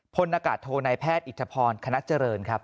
พลนากาศโทนายแพทย์อิทธพรคณะเจริญครับ